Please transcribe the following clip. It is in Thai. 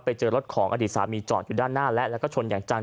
ไปเจอรถของอดีตสามีจอดอยู่ด้านหน้าและแล้วก็ชนอย่างจัง